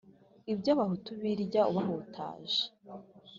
Ibyo abahutu birya ubahutaje.